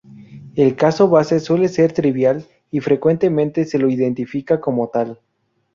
El caso base suele ser trivial y frecuentemente se lo identifica como tal.